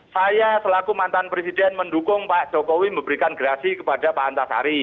saya selaku mantan presiden mendukung pak jokowi memberikan gerasi kepada pak antasari